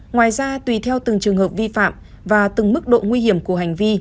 ngoài ra tùy theo từng trường hợp vi phạm và từng mức độ nguy hiểm của hành vi